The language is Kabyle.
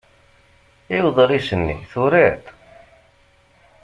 I uḍris-nni? Turiḍ-t?